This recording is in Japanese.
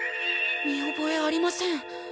見覚えありません。